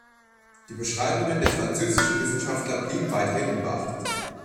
Die Beschreibungen der französischen Wissenschaftler blieben weiterhin unbeachtet.